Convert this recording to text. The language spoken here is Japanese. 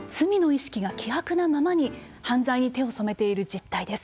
罪の意識が希薄なままに犯罪に手を染めている実態です。